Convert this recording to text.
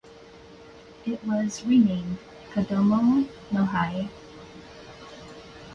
It was renamed "Kodomo no Hi".